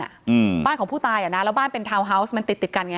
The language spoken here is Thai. อืมบ้านของผู้ตายอ่ะนะแล้วบ้านเป็นทาวน์ฮาวส์มันติดติดกันไง